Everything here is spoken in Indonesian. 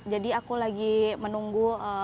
jadi aku lagi menunggu